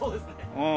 うん。